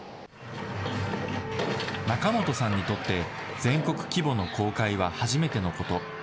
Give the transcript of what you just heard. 中元さんにとって全国規模の公開は初めてのこと。